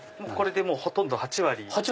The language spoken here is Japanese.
これでほとんど８割。